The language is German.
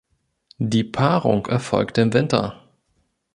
Die Paarung erfolgt im Winter.